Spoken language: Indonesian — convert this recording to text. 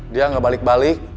dia gak balik balik